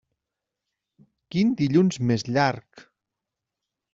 Quin dilluns més llarg!